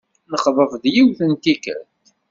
Nexḍeb-d, yiwet n tikkelt.